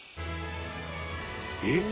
「えっ？」